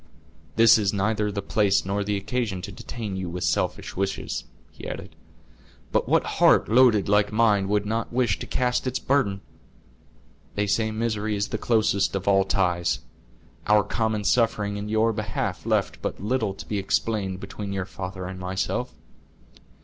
"This is neither the place nor the occasion to detain you with selfish wishes," he added; "but what heart loaded like mine would not wish to cast its burden? They say misery is the closest of all ties; our common suffering in your behalf left but little to be explained between your father and myself."